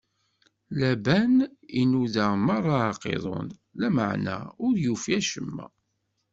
Laban inuda meṛṛa aqiḍun, lameɛna ur yufi acemma.